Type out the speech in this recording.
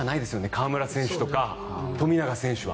河村選手とか富永選手は。